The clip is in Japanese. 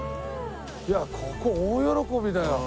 いやここ大喜びだよ。